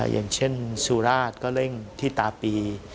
อย่างเช่นสุราชก็เร่งที่ตาปี